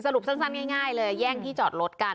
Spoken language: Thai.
รูปสั้นง่ายเลยแย่งที่จอดรถกัน